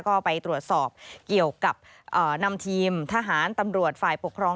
ก็ไปตรวจสอบเกี่ยวกับนำทีมทหารตำรวจฝ่ายปกครอง